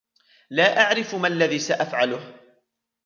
لا أعرف ما الذي سأفعله ؟